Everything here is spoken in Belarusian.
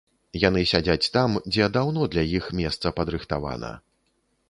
Яны сядзяць там, дзе даўно для іх месца падрыхтавана.